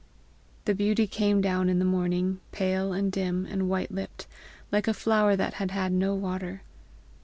The beauty came down in the morning pale and dim and white lipped, like a flower that had had no water.